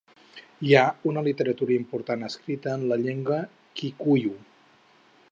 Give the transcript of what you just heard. Hi ha una literatura important escrita en llengua kikuiu.